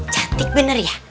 cantik bener ya